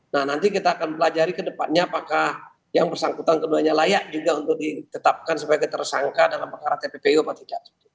nah nanti kita akan pelajari ke depannya apakah yang bersangkutan keduanya layak juga untuk ditetapkan sebagai tersangka dalam perkara tppu atau tidak